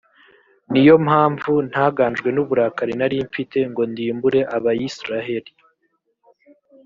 ni yo mpamvu ntaganjwe n’uburakari nari mfite, ngo ndimbure abayisraheli.